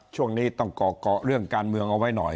ช่วงนี้ต้องเกาะเกาะเรื่องการเมืองเอาไว้หน่อย